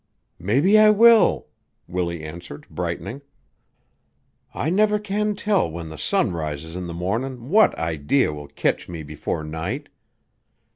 "Mebbe I will," Willie answered, brightening. "I never can tell when the sun rises in the mornin' what idee will kitch me before night.